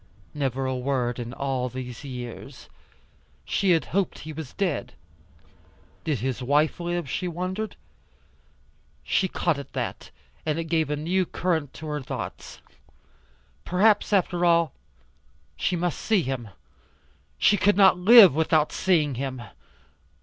Never a word in all these years. She had hoped he was dead. Did his wife live, she wondered. She caught at that and it gave a new current to her thoughts. Perhaps, after all she must see him. She could not live without seeing him.